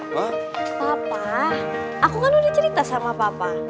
papa aku kan udah cerita sama bapak